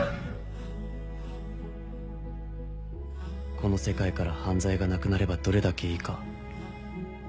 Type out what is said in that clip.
この世界から犯罪がなくなればどれだけいいか。